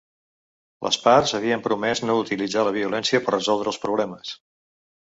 Les parts havien promès no utilitzar la violència per resoldre els problemes.